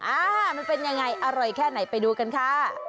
อ่ามันเป็นยังไงอร่อยแค่ไหนไปดูกันค่ะ